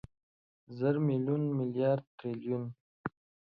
زر، ميليون، ميليارد، تریلیون